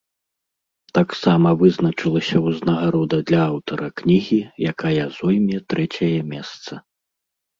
Таксама вызначылася ўзнагарода для аўтара кнігі, якая зойме трэцяе месца.